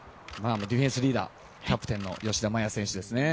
ディフェンスリーダーキャプテンの吉田麻也選手です。